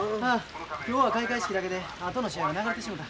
今日は開会式だけであとの試合は流れてしもた。